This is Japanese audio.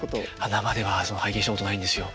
生では拝見したことないんですよ。